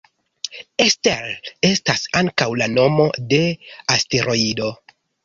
Ester estas ankaŭ la nomo de asteroido.